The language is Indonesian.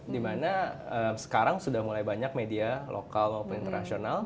dimana sekarang sudah mulai banyak media lokal maupun internasional